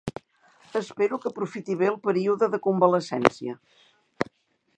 Espero que aprofiti bé el període de convalescència.